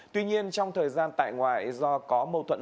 tuy nhiên trong thời gian tại ngoại do có mâu thuẫn